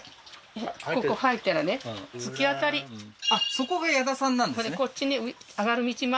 そこがヤダさんなんですね